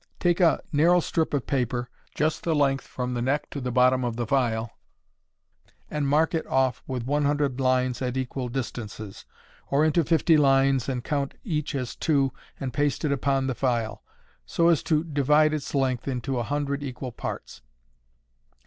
Take a narrow strip of paper, just the length from the neck to the bottom of the phial, and mark it off with one hundred lines at equal distances; or into fifty lines and count each as two, and paste it upon the phial, so as to divide its length into a hundred equal parts.